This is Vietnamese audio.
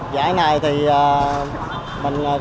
giải này thì mình cố gắng